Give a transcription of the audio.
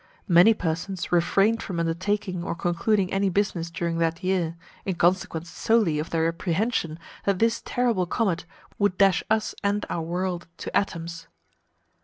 Many persons refrained from undertaking or concluding any business during that year, in consequence solely of their apprehension that this terrible comet would dash us and our world to atoms.